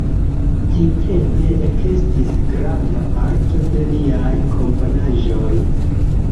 Tiutempe ekestis granda parto de liaj komponaĵoj.